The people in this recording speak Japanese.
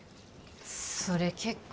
それ結構